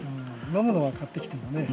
飲むのは買ってきてもね。